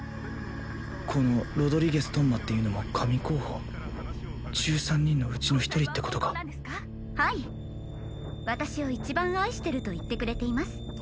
このロドリゲス頓間っていうのも神候補１３人のうちの１人ってことかはい私を一番愛してると言ってくれています